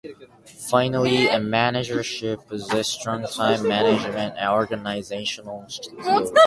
Finally, a manager should possess strong time management and organizational skills.